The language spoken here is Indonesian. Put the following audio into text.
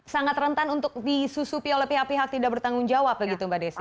sangat rentan untuk disusupi oleh pihak pihak tidak bertanggung jawab begitu mbak desi